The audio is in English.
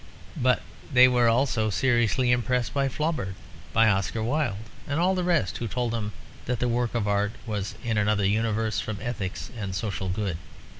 But they were also seriously impressed by Flaubert, by Oscar Wilde and all the rest who told them that a work of art was in another universe from ethics and social good.